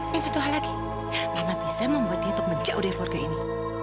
dan satu hal lagi mama bisa membuatnya untuk menjauh dari keluarga ini